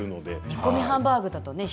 煮込みハンバーグだとね